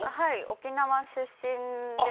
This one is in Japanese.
沖縄出身で。